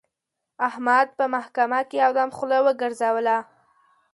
احمد په محکمه کې یو دم خوله وګرځوله.